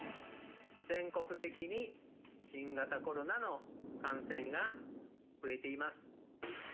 全国的に新型コロナの感染が増えています。